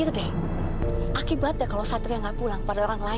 lebih baik nenek pulang saja